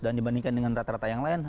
dan dibandingkan dengan rata rata yang lain